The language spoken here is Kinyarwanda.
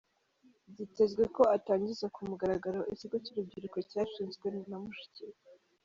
Byitezwe ko atangiza ku mugaragaro ikigo cy'urubyiruko cyashinzwe na mushiki we.